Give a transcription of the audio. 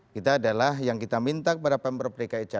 kita adalah yang kita minta kepada pemerintah jakarta